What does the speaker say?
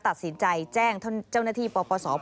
ตัดสินใจแจ้งเจ้าหน้าที่ปปศ